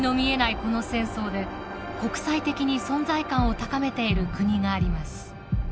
この戦争で国際的に存在感を高めている国があります。